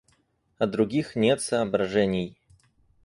А других нет соображений.